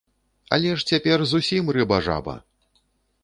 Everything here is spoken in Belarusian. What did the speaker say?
Але ж цяпер зусім рыба-жаба!